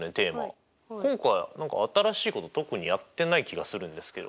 今回何か新しいこと特にやってない気がするんですけど。